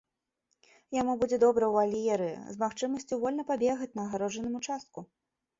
Яму будзе добра ў вальеры з магчымасцю вольна пабегаць на агароджаным участку.